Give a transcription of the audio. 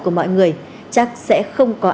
của mọi người chắc sẽ không có